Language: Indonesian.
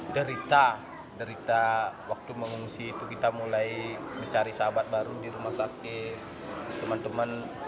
derita derita waktu mengungsi itu kita mulai mencari sahabat baru di rumah sakit teman teman